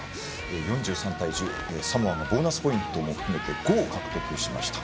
４３対１０、サモアがボーナスポイントも含めて５を獲得しました。